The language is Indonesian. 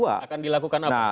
akan dilakukan apa